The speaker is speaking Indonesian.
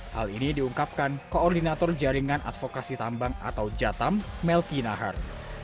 hal ini diungkapkan koordinator jaringan advokasi tambang atau jatam melki nahar